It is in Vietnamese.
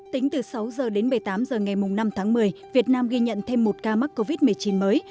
tính từ sáu h đến một mươi tám h ngày năm tháng một mươi việt nam ghi nhận thêm một ca mắc covid một mươi chín mới